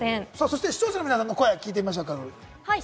視聴者の皆さんの声を聞いてみましょう。